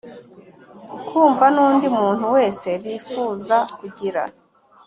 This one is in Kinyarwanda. kumva n undi muntu wese bifuza kugira